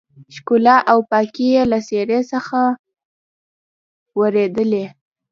ښکلا او پاکي يې له څېرې څخه ورېدلې.